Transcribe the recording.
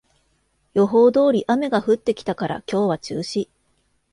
予報通り雨が降ってきたから今日は中止